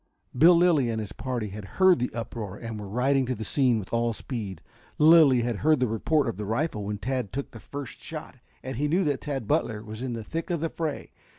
Bill Lilly and his party had heard the uproar, and were riding to the scene with all speed. Lilly had heard the report of the rifle when Tad took the first shot, and he knew that Tad Butler was in the thick of the fray.